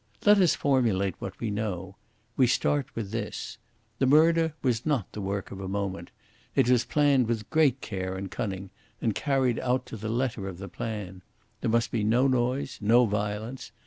Let us formulate what we know. We start with this. The murder was not the work of a moment. It was planned with great care and cunning, and carried out to the letter of the plan. There must be no noise, no violence.